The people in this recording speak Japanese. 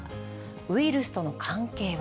ウイルスとの関係は。